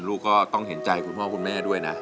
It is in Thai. ลูกก็ต้องเห็นใจคุณพ่อคุณแม่ด้วยนะ